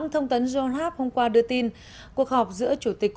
tổng thống park geun hye